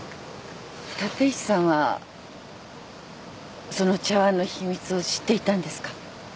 立石さんはその茶わんの秘密を知っていたんですか？